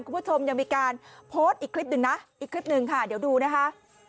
คุณผู้ชมยังมีการโพสต์อีกคลิปหนึ่งนะอีกคลิปหนึ่งค่ะเดี๋ยวดูนะคะ